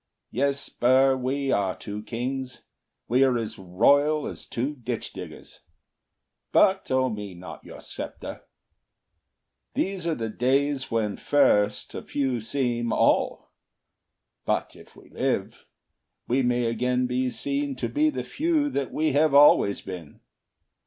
Yes, Burr, we are two kings; We are as royal as two ditch diggers; But owe me not your sceptre. These are the days When first a few seem all; but if we live, We may again be seen to be the few That we have always been.